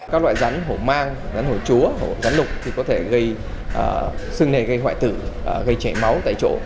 các loại rắn hổ mang rắn hổ chúa rắn lục thì có thể gây sưng nề gây hoại tử gây chảy máu tại chỗ